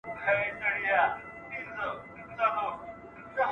ښه خلک د زړه له کومي مینه کوي.